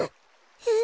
えっ？